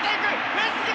フェンス際！